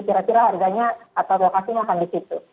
kira kira harganya atau lokasi yang akan di situ